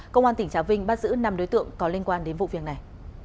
công an tỉnh trà vinh bắt giữ năm đối tượng có liên quan đến vụ việc này